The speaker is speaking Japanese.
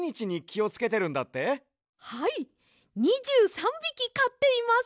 はい２３びきかっています！